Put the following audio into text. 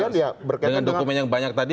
dengan dokumen yang banyak tadi